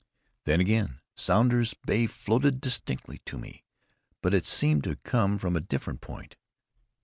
Then again Sounder's bay floated distinctly to me, but it seemed to come from a different point.